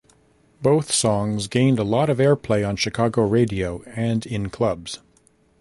Both songs gained a lot of airplay on Chicago radio and in clubs.